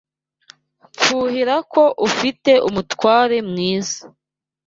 Mfuhira ko ufite umutware mwiza.